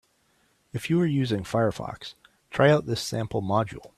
If you are using Firefox, try out this sample module.